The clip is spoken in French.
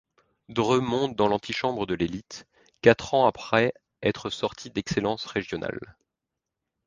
Dreux monte dans l'antichambre de l'élite, quatre ans après être sorti d'excellence régionale.